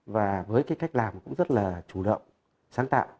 và với cái cách làm cũng rất là chủ động sáng tạo